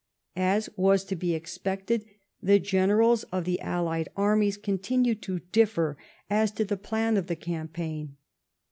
As was to be expected, the generals of the allied armies continued to difler as to the plan of the campaign.